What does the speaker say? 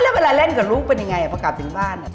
แล้วเวลาเล่นกับลูกเป็นยังไงพอกลับถึงบ้าน